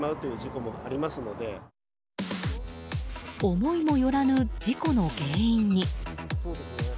思いもよらぬ事故の原因に。